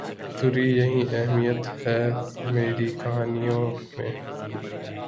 تری یہی اہمیت ہے میری کہانیوں میں